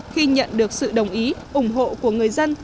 khi nhận được sự đồng ý ủng hộ của người dân